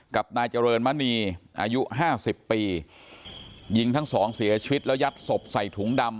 กับนายเจริญมณีอายุห้าสิบปียิงทั้งสองเสียชีวิตแล้วยัดศพใส่ถุงดำ